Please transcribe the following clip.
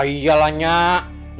nah ke depan dari mana